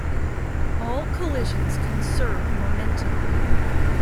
All collisions conserve momentum.